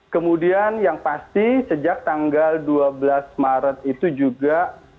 kemudian yang pasti sejak tanggal dua belas maret itu juga